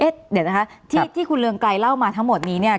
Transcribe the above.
เดี๋ยวนะคะที่คุณเรืองไกรเล่ามาทั้งหมดนี้เนี่ย